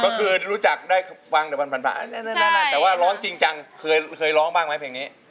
ก็คือรู้จักได้ฟังแต่วันผ่านแต่ว่าร้องจริงจังเคยร้องบ้างไหมเพลงนี้